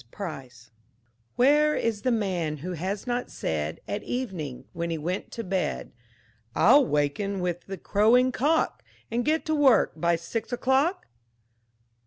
PRICE Where is the man who has not said At evening, when he went to bed, "I'll waken with the crowing cock, And get to work by six o'clock?"